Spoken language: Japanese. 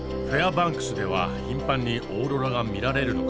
バンクスでは頻繁にオーロラが見られるのか？